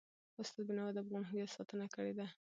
استاد بینوا د افغان هویت ستاینه کړې ده.